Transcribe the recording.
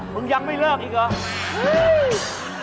มึงยังไม่เลิกอีกเหรอ